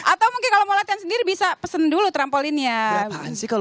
atau mungkin kalau mau latihan sendiri bisa pesen dulu trampolinnya